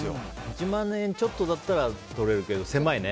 １万円ちょっとだったらとれるけど狭いね。